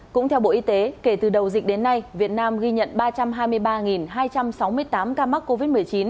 cũng theo bộ y tế kể từ đầu dịch đến nay việt nam ghi nhận ba trăm hai mươi ba hai trăm sáu mươi tám ca mắc covid một mươi chín